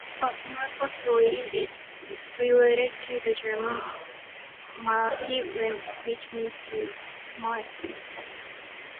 But more possibly it is related to the German "mahlen" which means "to mill".